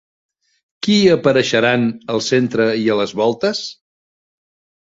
Qui apareixeran al centre i a les voltes?